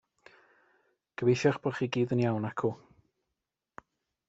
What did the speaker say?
Gobeithio'ch bod chi gyd yn iawn acw.